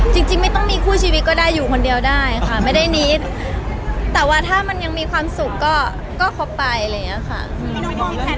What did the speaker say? จริงไม่ต้องมีคู่ชีวิตก็ได้อยู่คนเดียวได้ค่ะไม่ได้นิดแต่ว่าถ้ามันยังมีความสุขก็คบไปอะไรอย่างนี้ค่ะ